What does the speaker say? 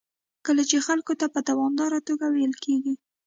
کله چې خلکو ته په دوامداره توګه ویل کېږي